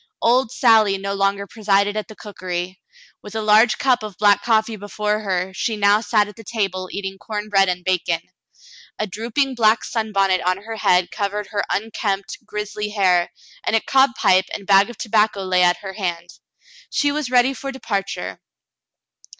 Old Sally no longer presided at the cookery. With a large cup of black coffee before her, she now sat at the table eating corn bread and bacon. A drooping black sunbonnet on her head covered her unkempt, grizzly hair, and a cob pipe and bag of tobacco lay at her hand. She was ready for departure.